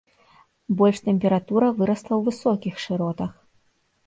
Больш тэмпература вырасла ў высокіх шыротах.